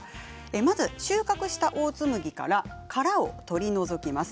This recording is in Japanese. まず収穫したオーツ麦から殻を取り除きます。